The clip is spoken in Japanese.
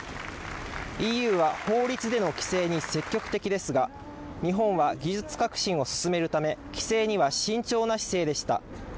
ＥＵは法律での規制に積極的ですが、日本は技術革新を進めるため規制には慎重な姿勢でした。